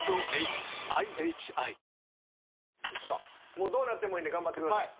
もうどうなってもいいんで頑張ってください。